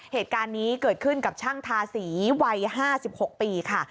เหตุการณ์นี้เกิดขึ้นกับช่างทาสีวัย๕๖ปีค่ะ